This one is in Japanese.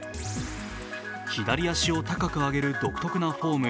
左足を高く上げる独特なフォーム